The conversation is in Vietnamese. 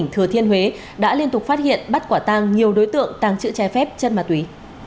thừa thiên huế đã liên tục phát hiện bắt quả tăng nhiều đối tượng tàng trữ trái phép chất ma túy